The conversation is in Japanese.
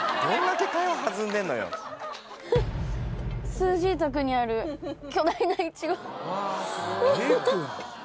スージー宅にある巨大なイチゴ。